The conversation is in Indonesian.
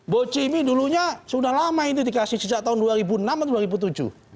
bocimi dulunya sudah lama ini dikasih sejak tahun dua ribu enam atau dua ribu tujuh